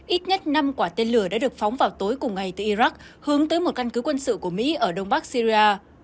ít nhất năm quả tên lửa đã được phóng vào tối cùng ngày từ iraq hướng tới một căn cứ quân sự của mỹ ở đông bắc syria